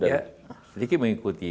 ya sedikit mengikuti